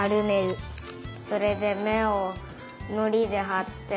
それでめをのりではって。